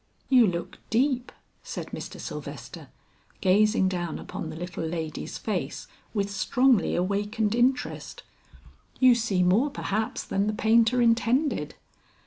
"You look deep," said Mr. Sylvester, gazing down upon the little lady's face with strongly awakened interest. "You see more perhaps than the painter intended."